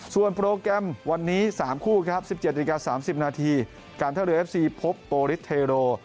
ส่วนโปรแกรมวันนี้๓คู่ครับ๑๗นาฬิกา๓๐นาทีการท่าเรือเอฟซีพบโปริสเทโร